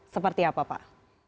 seperti apa pak